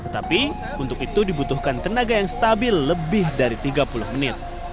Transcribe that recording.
tapi untuk itu dibutuhkan tenaga yang stabil lebih dari tiga puluh menit